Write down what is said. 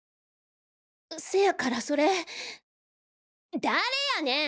せやからそれ誰やねん！？